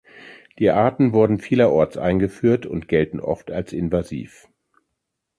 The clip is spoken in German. Die Arten wurden vielerorts eingeführt und gelten oft als invasiv.